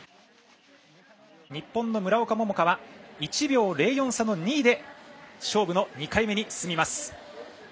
日本の村岡桃佳は１秒０４差の２位で勝負の２回目に進みます。